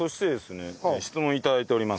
質問を頂いております。